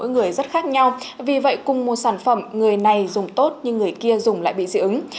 mỗi người rất khác nhau vì vậy cùng một sản phẩm người này dùng tốt nhưng người kia dùng lại bị dị ứng